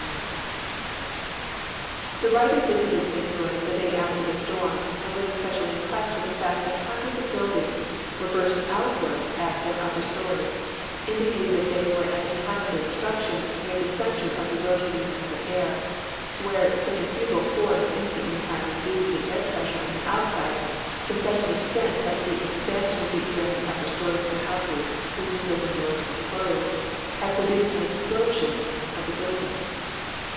80 STORMS AND WEATHER FORECASTS The writer visited St Louis the day after the storm, and was especially impressed with the fact that hundreds of buildings were burst outward at their upper stories, indicating that they were at the time of their destruction near the center of the rotat ing mass of air, where centrifugal force instantly had reduced the air pressure on the outside to such an extent that the expan sion of the air in the upper stories of the houses whose windows and doors Avere closed had produced an explosion of the build ing.